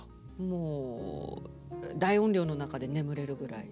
もう大音量の中で眠れるぐらい。